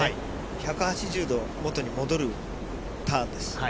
１８０度、元に戻るターンです。